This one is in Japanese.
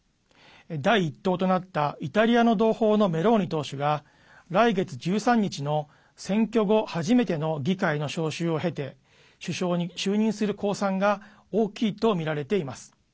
第１党となったイタリアの同胞のメローニ党首が来月１３日の選挙後初めての議会の招集を経て首相に就任する公算が大きいとみられています。